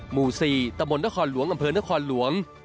หมู่๔ตะบนนครหลวงอำเภอนครหลวง